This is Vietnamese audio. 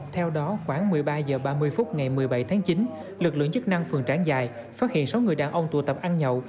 theo đó khoảng một mươi ba h ba mươi phút ngày một mươi bảy tháng chín lực lượng chức năng phường trảng dài phát hiện sáu người đàn ông tụ tập ăn nhậu